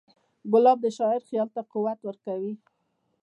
ګلاب د شاعر خیال ته قوت ورکوي.